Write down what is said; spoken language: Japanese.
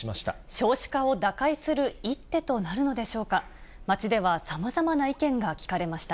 少子化を打開する一手となるのでしょうか。